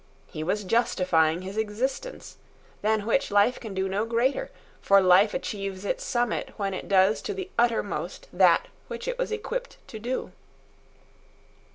He was justifying his existence, than which life can do no greater; for life achieves its summit when it does to the uttermost that which it was equipped to do.